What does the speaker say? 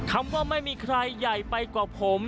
คำว่าไม่มีใครใหญ่ไปกว่าผม